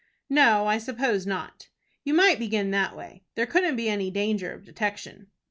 "No, I suppose not." "You might begin that way. There couldn't be any danger of detection."